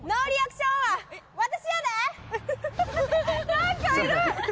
何かいる！